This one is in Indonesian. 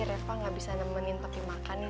reva gak bisa nemenin tapi makan nih